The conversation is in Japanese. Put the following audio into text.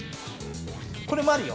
これもあるよ。